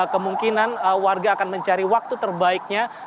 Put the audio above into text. kemungkinan warga akan mencari waktu terbaiknya